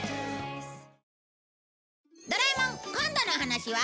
『ドラえもん』今度のお話は